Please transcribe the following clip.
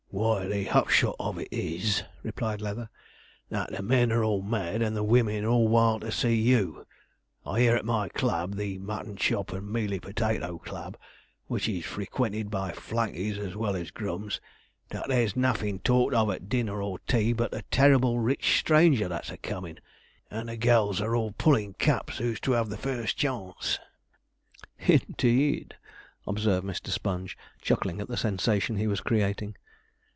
'Why, the hupshot of it is,' replied Leather, 'that the men are all mad, and the women all wild to see you. I hear at my club, the Mutton Chop and Mealy Potato Club, which is frequented by flunkies as well as grums, that there's nothin' talked of at dinner or tea, but the terrible rich stranger that's a comin', and the gals are all pulling caps, who's to have the first chance.' 'Indeed,' observed Mr. Sponge, chuckling at the sensation he was creating.